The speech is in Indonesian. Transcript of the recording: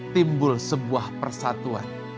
timbul sebuah persatuan